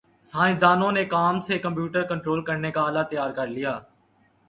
سائنسدانوں نے کام سے کمپیوٹر کنٹرول کرنے کا آلہ تیار کرلیا